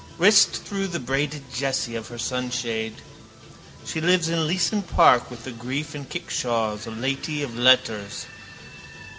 Wrist through the braided jesse of her sunshade. She lives in Leeson park with a grief and kickshaws, a lady of letters.